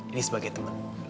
ini sebagai teman